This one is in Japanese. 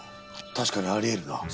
確かにあり得るな。